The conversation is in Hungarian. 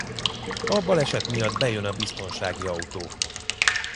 A baleset miatt bejön a biztonsági autó.